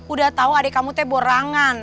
udah tau adek kamu tuh borangan